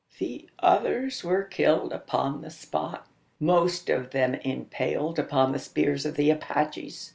The others were killed upon the spot most of them impaled upon the spears of the Apaches!